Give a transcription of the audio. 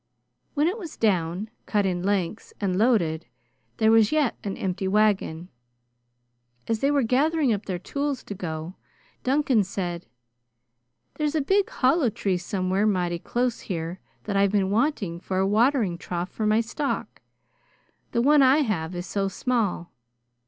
When it was down, cut in lengths, and loaded, there was yet an empty wagon. As they were gathering up their tools to go, Duncan said: "There's a big hollow tree somewhere mighty close here that I've been wanting for a watering trough for my stock; the one I have is so small.